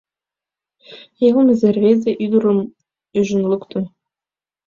Йылмызе рвезе ӱдырым ӱжын лукто.